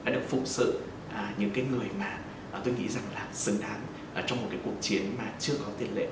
đã phụ sử những người mà tôi nghĩ rằng là xứng đáng trong một cuộc chiến mà chưa có tiền lệ